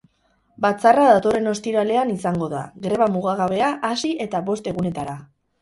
Batzarra datorren ostiralean izango da, greba mugagabea hasi eta bost egunetara.